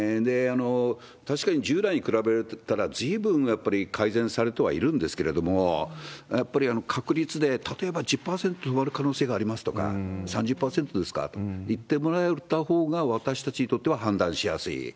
確かに従来に比べたら、ずいぶんやっぱり改善されてはいるんですけれども、やっぱり確率で、例えば１０％止まる可能性がありますとか、３０％ですとか言ってもらえたほうが、私たちにとっては判断しやすい。